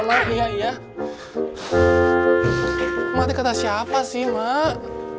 mak dia kata siapa sih mak